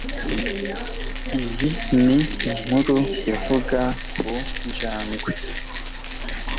Iyi ni inkuru ivuga ku njangwe